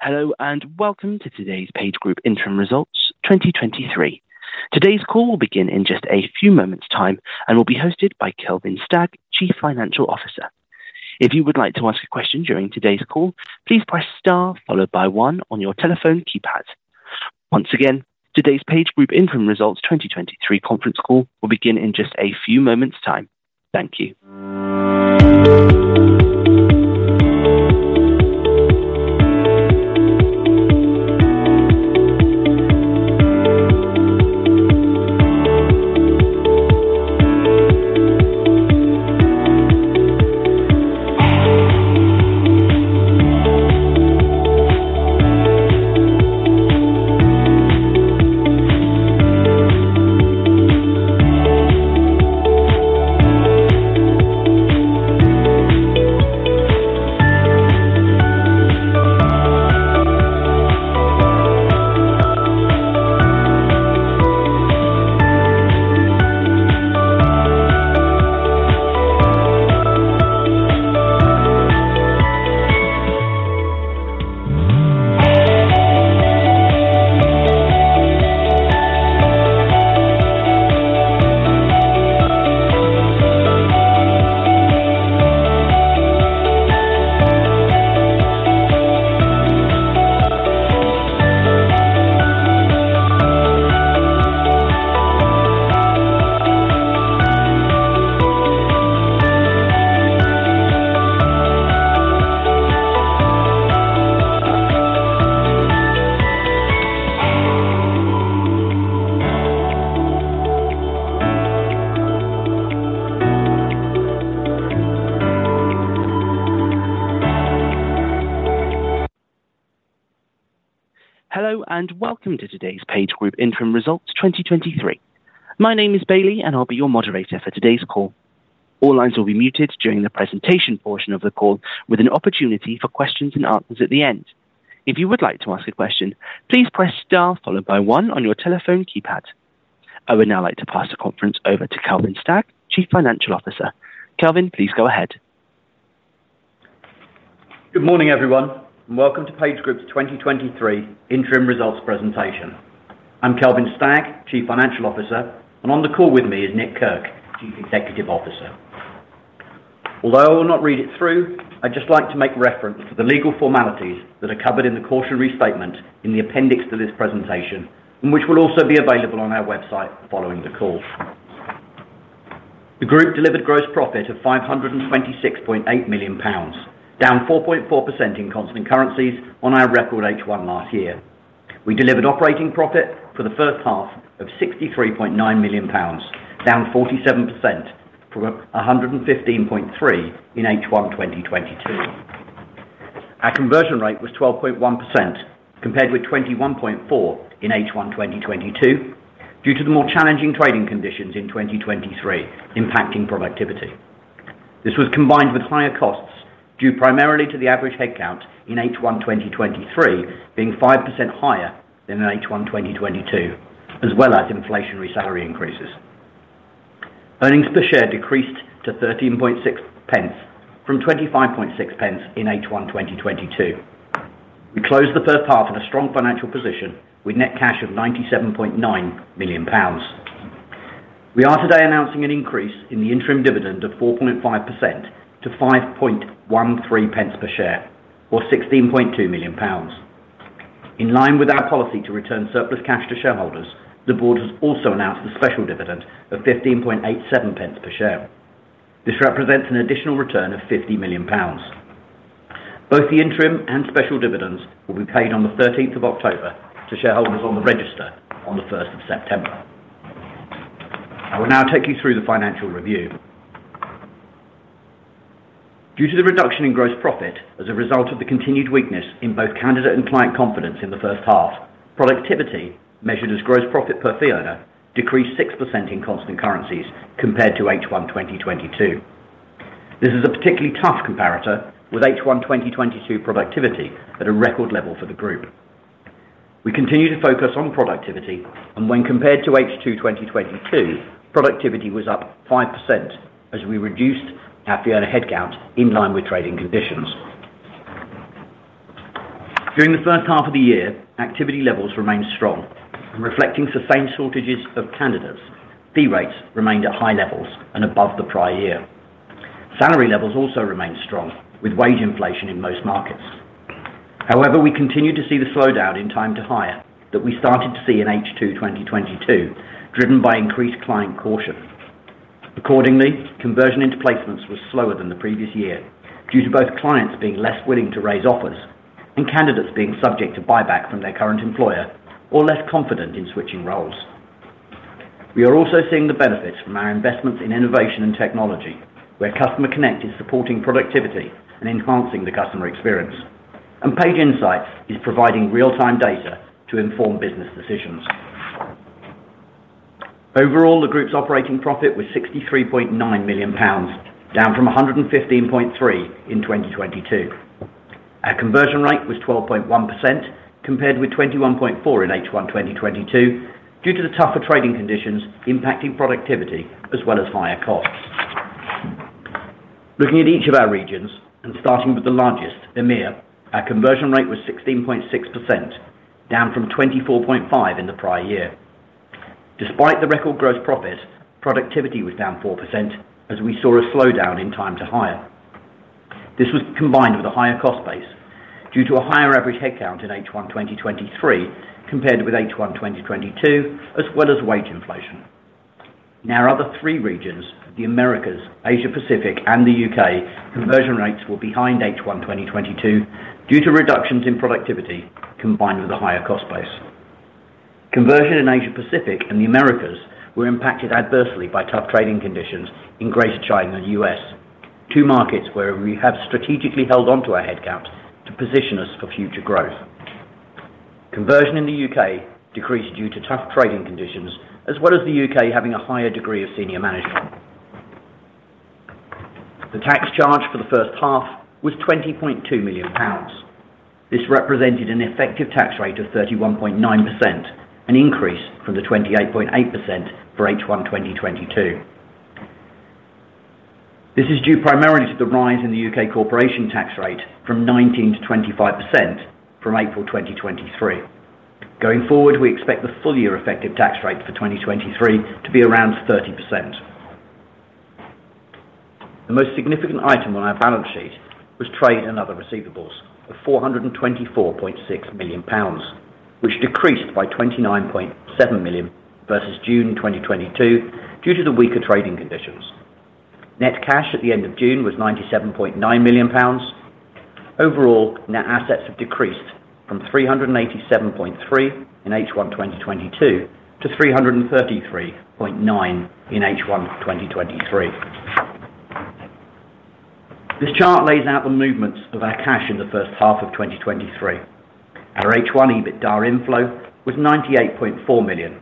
Hello, welcome to today's PageGroup Interim Results 2023. Today's call will begin in just a few moments' time and will be hosted by Kelvin Stagg, Chief Financial Officer. If you would like to ask a question during today's call, please press Star followed by one on your telephone keypad. Once again, today's PageGroup Interim Results 2023 conference call will begin in just a few moments' time. Thank you. Hello, welcome to today's PageGroup Interim Results 2023. My name is Bailey, and I'll be your moderator for today's call. All lines will be muted during the presentation portion of the call with an opportunity for questions and answers at the end. If you would like to ask a question, please press Star followed by one on your telephone keypad. I would now like to pass the conference over to Kelvin Stagg, Chief Financial Officer. Kelvin, please go ahead. Good morning, everyone, welcome to PageGroup's 2023 interim results presentation. I'm Kelvin Stagg, Chief Financial Officer, and on the call with me is Nick Kirk, Chief Executive Officer. Although I will not read it through, I'd just like to make reference to the legal formalities that are covered in the cautionary statement in the appendix to this presentation, and which will also be available on our website following the call. The group delivered gross profit of 526.8 million pounds, down 4.4% in constant currencies on our record H1 last year. We delivered operating profit for H1 of 63.9 million pounds, down 47% from 115.3 million in H1 2022. Our conversion rate was 12.1%, compared with 21.4 in H1 2022, due to the more challenging trading conditions in 2023 impacting productivity. This was combined with higher costs, due primarily to the average headcount in H1 2023 being 5% higher than in H1 2022, as well as inflationary salary increases. Earnings per share decreased to 13.6 pence from 25.6 pence in H1 2022. We closed the first half in a strong financial position with net cash of 97.9 million pounds. We are today announcing an increase in the interim dividend of 4.5% to 5.13 pence per share or 16.2 million pounds. In line with our policy to return surplus cash to shareholders, the board has also announced a special dividend of 15.87 pence per share. This represents an additional return of 50 million pounds. Both the interim and special dividends will be paid on the 13th of October to shareholders on the register on the 1st of September. I will now take you through the financial review. Due to the reduction in gross profit as a result of the continued weakness in both candidate and client confidence in the first half, productivity, measured as gross profit per fee earner, decreased 6% in constant currencies compared to H1 2022. This is a particularly tough comparator, with H1 2022 productivity at a record level for the group. We continue to focus on productivity, and when compared to H2 2022, productivity was up 5% as we reduced our fee earner headcount in line with trading conditions. During the first half of the year, activity levels remained strong and reflecting sustained shortages of candidates, fee rates remained at high levels and above the prior year. Salary levels also remained strong, with wage inflation in most markets. However, we continued to see the slowdown in time to hire that we started to see in H2 2022, driven by increased client caution. Accordingly, conversion into placements was slower than the previous year due to both clients being less willing to raise offers and candidates being subject to buyback from their current employer or less confident in switching roles. We are also seeing the benefits from our investments in innovation and technology, where Customer Connect is supporting productivity and enhancing the customer experience, and Page Insights is providing real-time data to inform business decisions. Overall, the group's operating profit was 63.9 million pounds, down from 115.3 million in 2022. Our conversion rate was 12.1%, compared with 21.4% in H1 2022, due to the tougher trading conditions impacting productivity as well as higher costs. Looking at each of our regions, starting with the largest, EMEA, our conversion rate was 16.6%, down from 24.5% in the prior year. Despite the record gross profit, productivity was down 4% as we saw a slowdown in time to hire. This was combined with a higher cost base due to a higher average headcount in H1 2023, compared with H1 2022, as well as wage inflation. In our other three regions, the Americas, Asia Pacific, and the UK, conversion rates were behind H1 2022, due to reductions in productivity combined with a higher cost base. Conversion in Asia Pacific and the Americas were impacted adversely by tough trading conditions in Greater China and US, two markets where we have strategically held on to our headcounts to position us for future growth. Conversion in the UK decreased due to tough trading conditions, as well as the UK having a higher degree of senior management. The tax charge for the first half was 20.2 million pounds. This represented an effective tax rate of 31.9%, an increase from the 28.8% for H1, 2022. This is due primarily to the rise in the UK corporation tax rate from 19% to 25% from April 2023. Going forward, we expect the full year effective tax rate for 2023 to be around 30%. The most significant item on our balance sheet was trade and other receivables of 424.6 million pounds, which decreased by 29.7 million versus June 2022 due to the weaker trading conditions. Net cash at the end of June was 97.9 million pounds. Overall, net assets have decreased from 387.3 million in H1, 2022, to 333.9 million in H1, 2023. This chart lays out the movements of our cash in the first half of 2023. Our H1 EBITDA inflow was 98.4 million,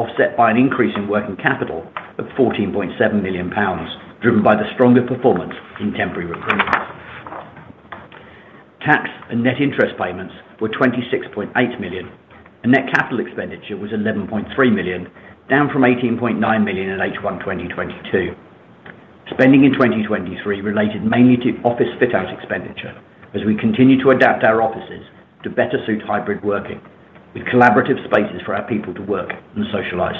offset by an increase in working capital of 14.7 million pounds, driven by the stronger performance in temporary recruitment. Tax and net interest payments were 26.8 million, and net capital expenditure was 11.3 million, down from 18.9 million in H1 2022. Spending in 2023 related mainly to office fit-out expenditure, as we continue to adapt our offices to better suit hybrid working, with collaborative spaces for our people to work and socialize.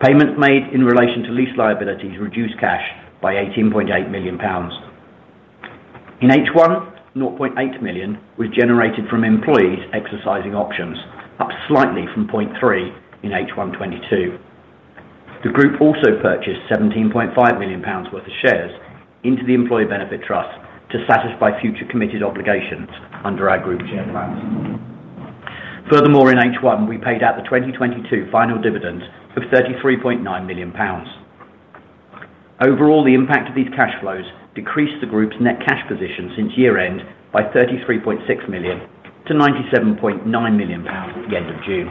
Payments made in relation to lease liabilities reduced cash by 18.8 million pounds. In H1, 0.8 million was generated from employees exercising options, up slightly from 0.3 million in H1 2022. The group also purchased 17.5 million pounds worth of shares into the Employee Benefit Trust to satisfy future committed obligations under our group share plans. Furthermore, in H1, we paid out the 2022 final dividend of 33.9 million pounds. Overall, the impact of these cash flows decreased the group's net cash position since year-end by 33.6 million to 97.9 million pounds at the end of June.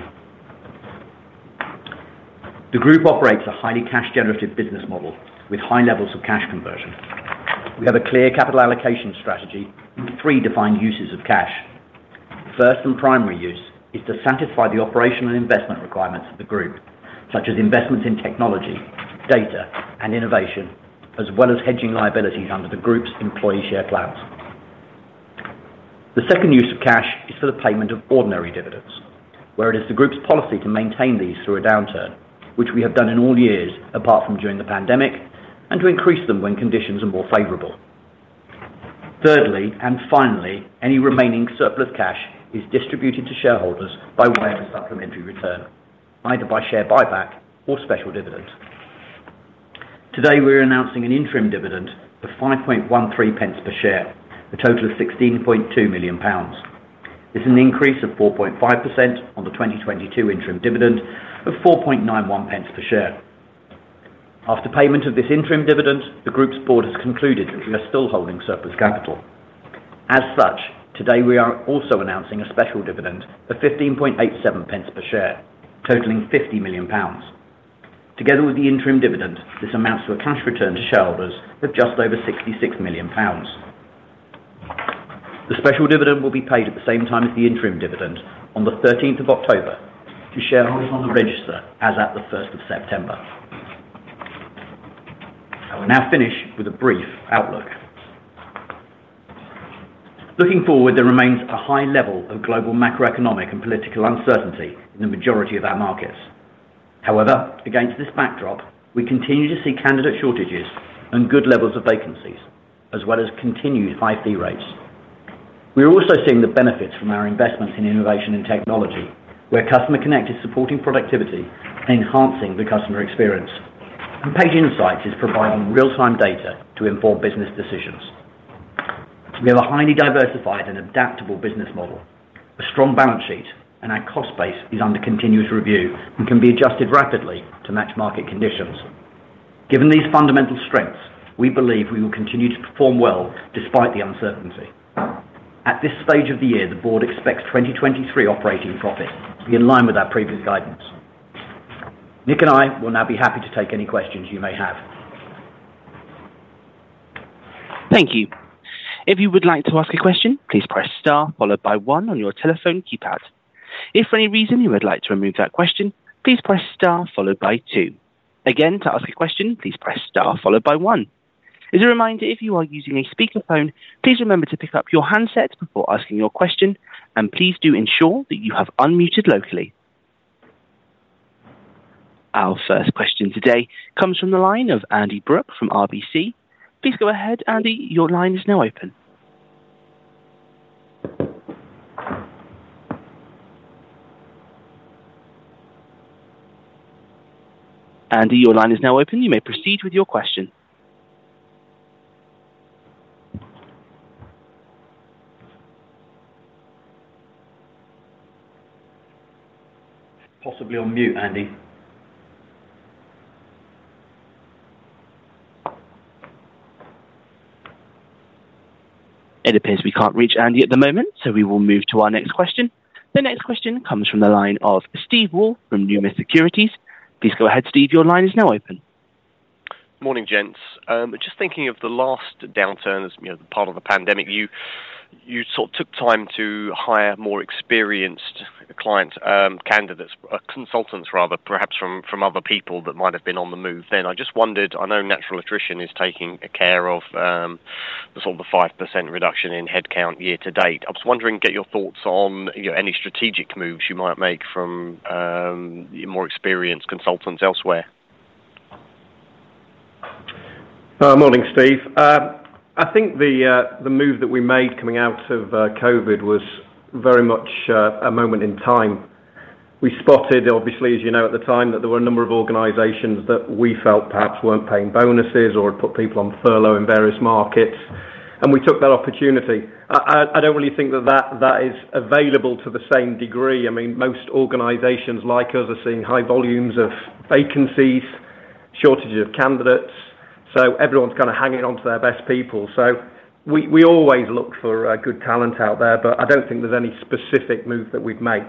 The group operates a highly cash-generative business model with high levels of cash conversion. We have a clear capital allocation strategy with three defined uses of cash. First, and primary use, is to satisfy the operational investment requirements of the group, such as investments in technology, data, and innovation, as well as hedging liabilities under the group's employee share plans. The second use of cash is for the payment of ordinary dividends, where it is the group's policy to maintain these through a downturn, which we have done in all years apart from during the pandemic, and to increase them when conditions are more favorable. Thirdly, and finally, any remaining surplus cash is distributed to shareholders by way of a supplementary return, either by share buyback or special dividends. Today, we're announcing an interim dividend of 5.13 pence per share, a total of 16.2 million pounds. This is an increase of 4.5% on the 2022 interim dividend of 4.91 pence per share. After payment of this interim dividend, the group's board has concluded that we are still holding surplus capital. As such, today we are also announcing a special dividend of 15.87 pence per share, totaling 50 million pounds. Together with the interim dividend, this amounts to a cash return to shareholders of just over 66 million pounds. The special dividend will be paid at the same time as the interim dividend on the 13th of October to shareholders on the register as at the 1st of September. I will now finish with a brief outlook. Looking forward, there remains a high level of global macroeconomic and political uncertainty in the majority of our markets. However, against this backdrop, we continue to see candidate shortages and good levels of vacancies, as well as continued high fee rates. We are also seeing the benefits from our investments in innovation and technology, where Customer Connect is supporting productivity and enhancing the customer experience, and Page Insights is providing real-time data to inform business decisions. We have a highly diversified and adaptable business model, a strong balance sheet, and our cost base is under continuous review and can be adjusted rapidly to match market conditions. Given these fundamental strengths, we believe we will continue to perform well despite the uncertainty. At this stage of the year, the board expects 2023 operating profit to be in line with our previous guidance. Nick and I will now be happy to take any questions you may have. Thank you. If you would like to ask a question, please press star followed by one on your telephone keypad. If for any reason you would like to remove that question, please press star followed by two. Again, to ask a question, please press star followed by one. As a reminder, if you are using a speakerphone, please remember to pick up your handset before asking your question, and please do ensure that you have unmuted locally. Our first question today comes from the line of Andy Brooke from RBC. Please go ahead, Andy. Your line is now open. Andy, your line is now open. You may proceed with your question. Possibly on mute, Andy. It appears we can't reach Andy at the moment. We will move to our next question. The next question comes from the line of Steve Wall from Numis Securities. Please go ahead, Steve. Your line is now open. Morning, gents. Just thinking of the last downturn as, you know, part of the pandemic, you, you sort of took time to hire more experienced client candidates, consultants, rather, perhaps from, from other people that might have been on the move then. I just wondered, I know natural attrition is taking care of the sort of the 5% reduction in headcount year to date. I was wondering, get your thoughts on, you know, any strategic moves you might make from your more experienced consultants elsewhere? Morning, Steve. I think the, the move that we made coming out of COVID was very much a moment in time. We spotted, obviously, as you know, at the time, that there were a number of organizations that we felt perhaps weren't paying bonuses or put people on furlough in various markets, and we took that opportunity. I, I, I don't really think that that, that is available to the same degree. I mean, most organizations like us are seeing high volumes of vacancies, shortages of candidates, so everyone's kind of hanging on to their best people. So we, we always look for good talent out there, but I don't think there's any specific move that we'd make.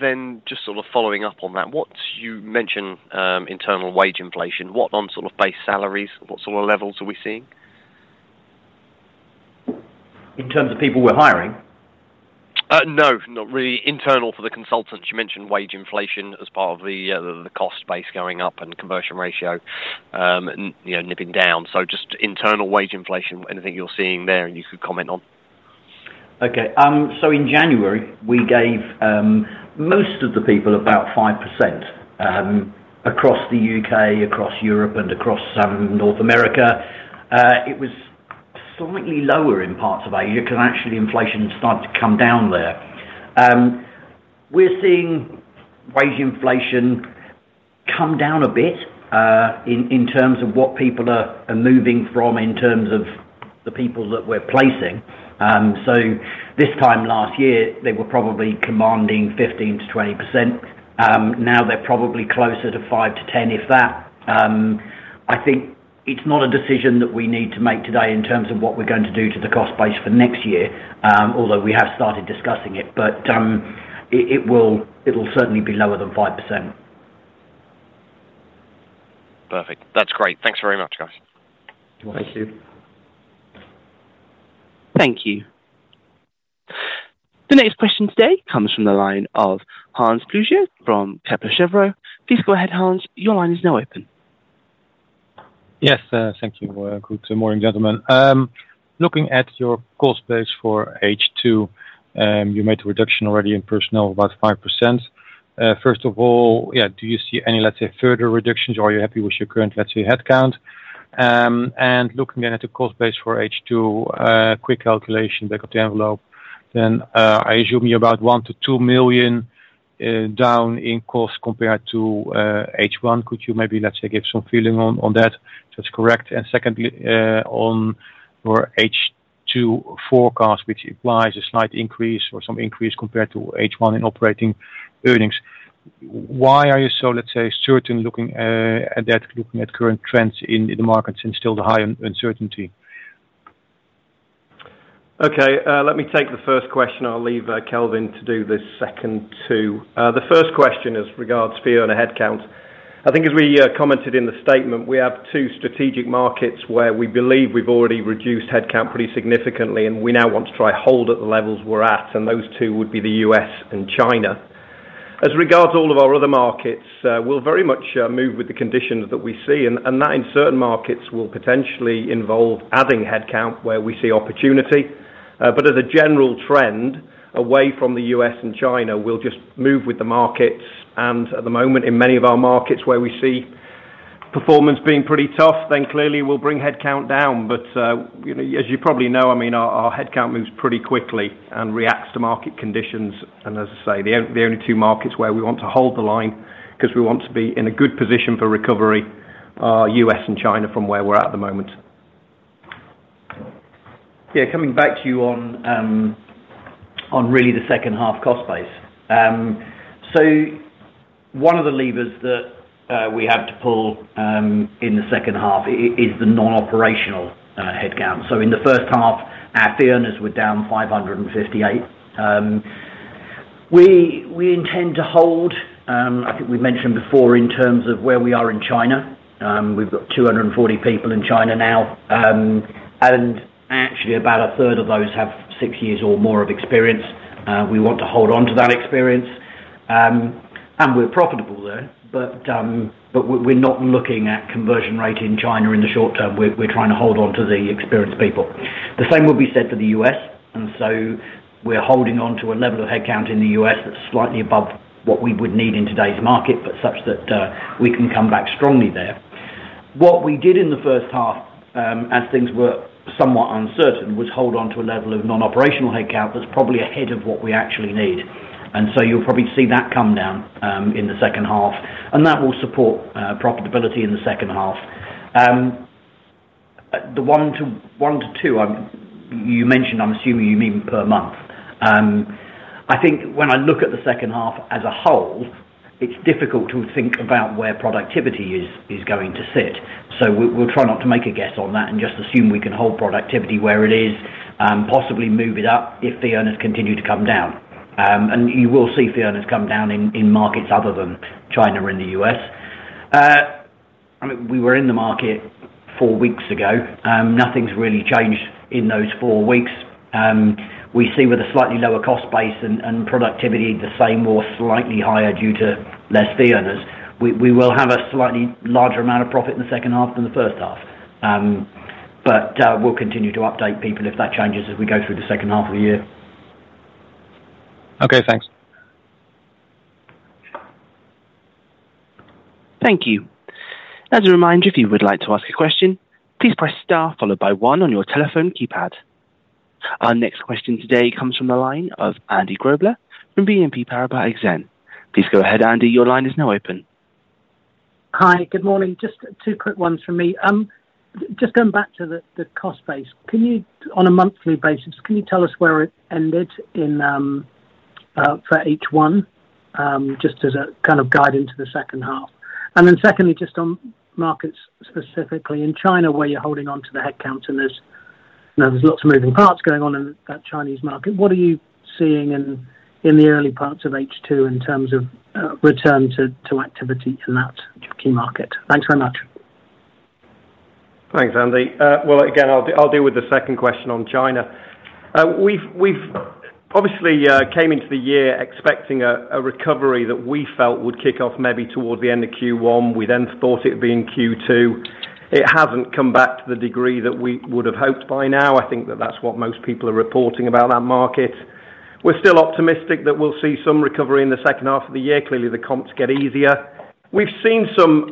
Then just sort of following up on that. You mentioned internal wage inflation. What on sort of base salaries, what sort of levels are we seeing? In terms of people we're hiring? No, not really. Internal for the consultants. You mentioned wage inflation as part of the cost base going up and conversion ratio, and, you know, nipping down. Just internal wage inflation, anything you're seeing there, and you could comment on? In January, we gave most of the people about 5% across the U.K., across Europe, and across North America. It was slightly lower in parts of Asia, because actually inflation started to come down there. We're seeing wage inflation come down a bit in terms of what people are moving from in terms of the people that we're placing. This time last year, they were probably commanding 15%-20%. Now they're probably closer to 5%-10%, if that. I think it's not a decision that we need to make today in terms of what we're going to do to the cost base for next year, although we have started discussing it, but it will, it'll certainly be lower than 5%. Perfect. That's great. Thanks very much, guys. Thank you. Thank you. The next question today comes from the line of Hans Pluijgers from Kepler Cheuvreux. Please go ahead, Hans. Your line is now open. Yes, thank you. Good morning, gentlemen. Looking at your cost base for H2, you made a reduction already in personnel, about 5%. First of all, yeah, do you see any, let's say, further reductions, or are you happy with your current, let's say, headcount? Looking at the cost base for H2, quick calculation, back of the envelope, then, I assume you're about 1 million-2 million down in cost compared to H1. Could you maybe, let's say, give some feeling on, on that? So that's correct. Secondly, on your H2 forecast, which implies a slight increase or some increase compared to H1 in operating earnings, why are you so, let's say, certain, looking at that, looking at current trends in the markets and still the high uncertainty? Okay, let me take the first question. I'll leave Kelvin to do the second two. The first question is regards fee earner headcount. I think as we commented in the statement, we have two strategic markets where we believe we've already reduced headcount pretty significantly, and we now want to try hold at the levels we're at, and those two would be the U.S. and China. As regards to all of our other markets, we'll very much move with the conditions that we see, and that in certain markets will potentially involve adding headcount where we see opportunity. As a general trend, away from the U.S. and China, we'll just move with the markets, and at the moment, in many of our markets where we see performance being pretty tough, then clearly we'll bring headcount down. You know, as you probably know, I mean, our, our headcount moves pretty quickly and reacts to market conditions. As I say, the only, the only two markets where we want to hold the line, 'cause we want to be in a good position for recovery, are US and China from where we're at the moment. Yeah, coming back to you on, on really the second half cost base. One of the levers that we have to pull in the second half is the non-operational headcount. In the first half, our fee earners were down 558. We, we intend to hold, I think we mentioned before in terms of where we are in China, we've got 240 people in China now. Actually about a third of those have six years or more of experience. We want to hold on to that experience. We're profitable there, but we're, we're not looking at conversion rate in China in the short term. We're, we're trying to hold on to the experienced people. The same will be said for the U.S., so we're holding on to a level of headcount in the U.s. that's slightly above what we would need in today's market, but such that we can come back strongly there. What we did in the first half, as things were somewhat uncertain, was hold on to a level of non-operational headcount that's probably ahead of what we actually need, so you'll probably see that come down in the second half, that will support profitability in the second half. The one to, one to two, you mentioned, I'm assuming you mean per month. I think when I look at the second half as a whole, it's difficult to think about where productivity is, is going to sit. We, we'll try not to make a guess on that and just assume we can hold productivity where it is, possibly move it up if the earners continue to come down. You will see fee earners come down in, in markets other than China and the U.S. I mean, we were in the market four weeks ago, nothing's really changed in those four weeks. We see with a slightly lower cost base and, and productivity, the same or slightly higher due to less fee earners. We, we will have a slightly larger amount of profit in the second half than the first half. We'll continue to update people if that changes as we go through the second half of the year. Okay, thanks. Thank you. As a reminder, if you would like to ask a question, please press star followed by one on your telephone keypad. Our next question today comes from the line of Andy Grobler from BNP Paribas Exane. Please go ahead, Andy. Your line is now open. Hi, good morning. Just two quick ones from me. Just going back to the, the cost base. Can you, on a monthly basis, can you tell us where it ended in, for H1, just as a kind of guide into the second half? Secondly, just on markets, specifically in China, where you're holding on to the headcount, and there's, you know, there's lots of moving parts going on in that Chinese market. What are you seeing in, in the early parts of H2 in terms of, return to, to activity in that key market? Thanks very much. Thanks, Andy. Well, again, I'll, I'll deal with the 2nd question on China. We've, we've obviously, came into the year expecting a, a recovery that we felt would kick off maybe toward the end of Q1. We then thought it would be in Q2. It hasn't come back to the degree that we would have hoped by now. I think that that's what most people are reporting about that market. We're still optimistic that we'll see some recovery in the 2nd half of the year. Clearly, the comps get easier. We've seen some,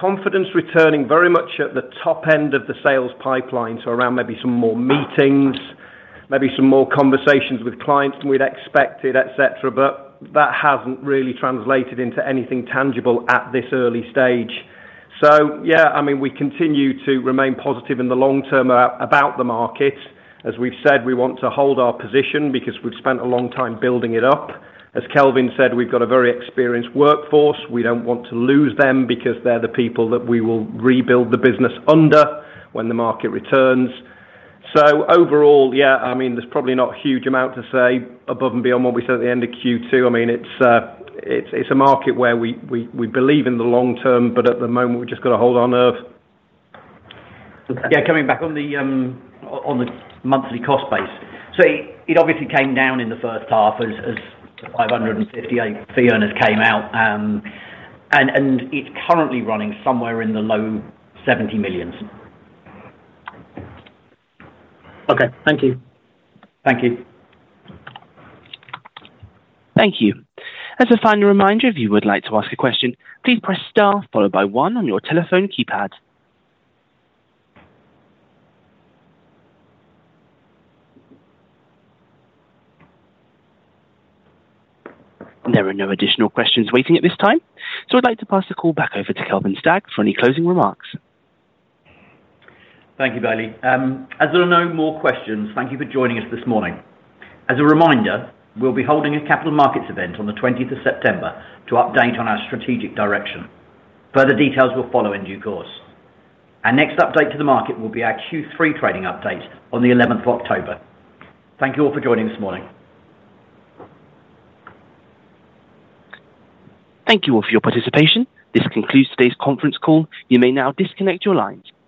confidence returning very much at the top end of the sales pipeline, so around maybe some more meetings, maybe some more conversations with clients than we'd expected, et cetera, but that hasn't really translated into anything tangible at this early stage. Yeah, I mean, we continue to remain positive in the long term about, about the market. As we've said, we want to hold our position because we've spent a long time building it up. As Kelvin said, we've got a very experienced workforce. We don't want to lose them because they're the people that we will rebuild the business under when the market returns. Overall, yeah, I mean, there's probably not a huge amount to say above and beyond what we said at the end of Q2. I mean, it's, it's a market where we, we, we believe in the long term, but at the moment we've just got to hold on in there. Yeah, coming back on the, on the monthly cost base. It, it obviously came down in H1 as, as 558 fee earners came out, and, and it's currently running somewhere in the low 70 million. Okay. Thank you. Thank you. Thank you. As a final reminder, if you would like to ask a question, please press star, followed by one on your telephone keypad. There are no additional questions waiting at this time, so I'd like to pass the call back over to Kelvin Stagg for any closing remarks. Thank you, Bailey. As there are no more questions, thank you for joining us this morning. As a reminder, we'll be holding a capital markets event on the 20th of September to update on our strategic direction. Further details will follow in due course. Our next update to the market will be our Q3 trading update on the 11th of October. Thank you all for joining this morning. Thank you all for your participation. This concludes today's conference call. You may now disconnect your lines.